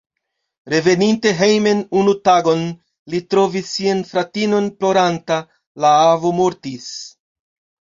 Reveninte hejmen unu tagon, li trovis sian fratinon ploranta: la avo mortis.